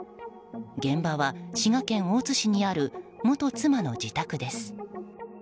現場は滋賀県大津市にある元妻の自宅です。